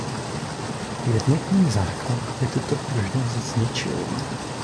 Jednotný základ by tuto pružnost zničil.